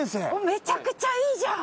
めちゃくちゃいいじゃん！